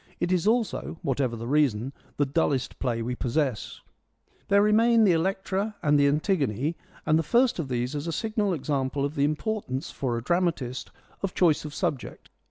It is also, what ever the reason, the dullest play we possess. There remain the Electra and the Antigone, and the first of these is a signal example of the importance 82 FEMINISM IN GREEK LITERATURE for a dramatist of choice of subject.